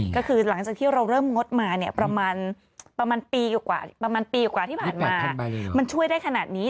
ก็คือหลังจากที่เราเริ่มงดมาเนี่ยประมาณปีกว่าที่ผ่านมามันช่วยได้ขนาดนี้